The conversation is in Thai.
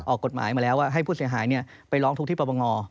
ออกกฎหมายมาแล้วว่าให้ผู้เสียหายไปร้องทุกข์ที่ประบง